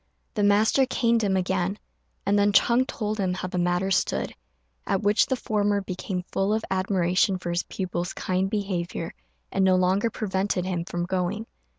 The master caned him again, and then Ch'êng told him how the matter stood, at which the former became full of admiration for his pupil's kind behaviour, and no longer prevented him from going.